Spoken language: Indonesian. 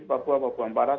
papua papua barat